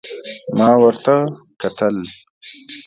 ما ورته کتل ،